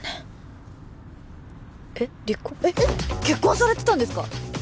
結婚されてたんですか？